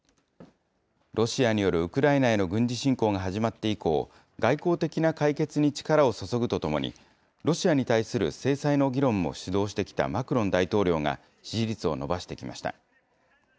ロシアによるウクライナへの軍事侵攻が始まって以降、外交的な解決に力を注ぐとともに、ロシアに対する制裁の議論も主導してきたマクロン大統領が支持率を伸ばしてきました。